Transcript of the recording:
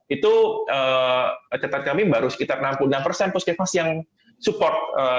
itu catatan kami baru sekitar enam puluh enam persen puskesmas yang support